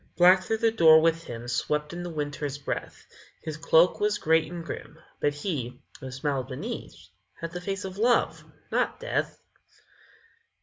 _ Black through the door with him Swept in the Winter's breath; His cloak was great and grim But he, who smiled beneath, Had the face of Love not Death.